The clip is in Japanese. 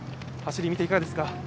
走りを見て、いかがですか？